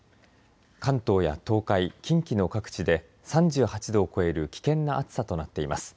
関東や東海、近畿の各地で３８度を超える危険な暑さとなっています。